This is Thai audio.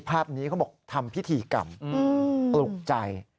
ภาพนี้เขาบอกทำพิธีกรรมปลุกใจ